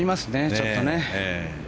ちょっとね。